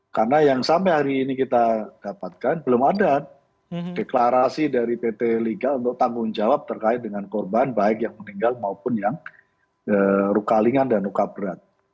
karena yang sampai hari ini kita dapatkan belum ada deklarasi dari pt liga untuk tanggung jawab terkait dengan korban baik yang meninggal maupun yang ruka lingan dan ruka berat